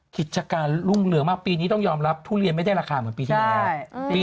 กิจการรุ่งเรืองมากปีนี้ต้องยอมรับทุเรียนไม่ได้ราคาเหมือนปีที่แล้ว